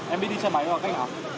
em biết đi xe máy rồi cách nào